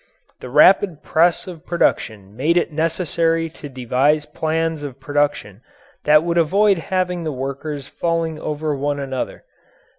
The rapid press of production made it necessary to devise plans of production that would avoid having the workers falling over one another.